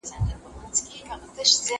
ځيني خلګ تاريخ په تحريف سوې بڼه اوري.